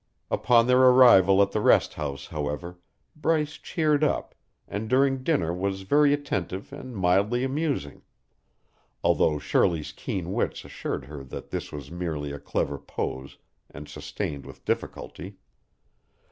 Upon their arrival at the rest house, however, Bryce cheered up, and during dinner was very attentive and mildly amusing, although Shirley's keen wits assured her that this was merely a clever pose and sustained with difficulty.